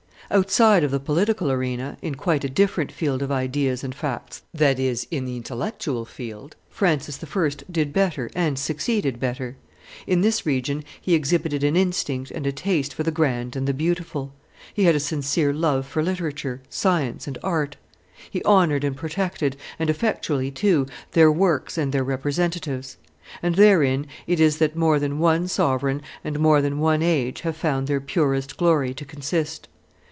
Outside of the political arena, in quite a different field of ideas and facts, that is, in the intellectual field, Francis I. did better and succeeded better. In this region he exhibited an instinct and a taste for the grand and the beautiful; he had a sincere love for literature, science, and art; he honored and protected, and effectually too, their works and their representatives. And therein it is that more than one sovereign and more than one age have found their purest glory to consist.